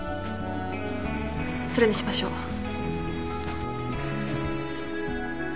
それにしましょう。